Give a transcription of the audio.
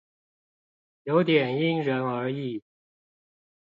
有點因人而異